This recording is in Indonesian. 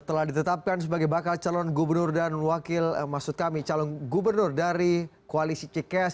telah ditetapkan sebagai bakal calon gubernur dan wakil maksud kami calon gubernur dari koalisi cikes